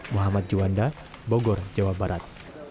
muhammad juanda bogor jawa barat